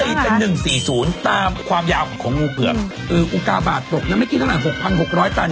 เขาตีเป็นหนึ่งสี่ศูนย์ตามความยาวของของงูเผือกเอออุปกรณ์บาทตกยังไม่กี่ตั้งหลังหกพันหกร้อยตัน